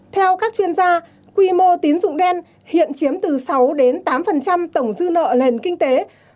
theo các chuyên gia quy mô tín dụng đen hiện chiếm từ sáu đến tám tổng dư nợ nền kinh tế